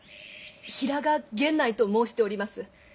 平賀源内と申しております。